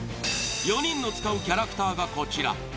４人の使うキャラクターがこちら。